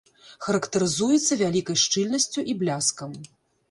Характарызуецца вялікай шчыльнасцю і бляскам.